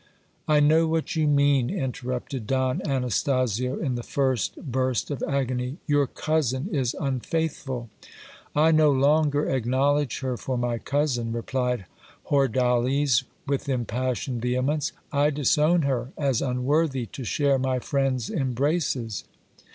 I know what you mean, interrupted Don Anastasio, in the first burst of agony; your cousin is unfaithful. I no longer acknowledge her for my cousin, replied Hordales with impassioned vehemence ; I disown her, as unworthy to share my friend's embraces.